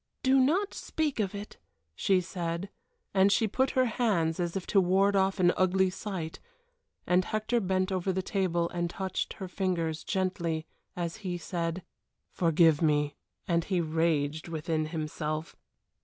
"Do not speak of it," she said, and she put out her hands as if to ward off an ugly sight, and Hector bent over the table and touched her fingers gently as he said: "Forgive me," and he raged within himself.